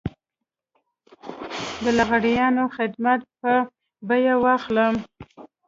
د لغړیانو خدمات په بيه واخلم.